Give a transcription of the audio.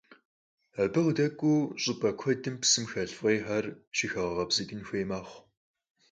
Абы къыдэкӀуэу щӀыпӀэ куэдым псым хэлъ фӀейхэр щыхэгъэкъэбзыкӀын хуей мэхъу.